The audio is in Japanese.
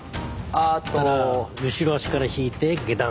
したら後ろ足から引いて下段。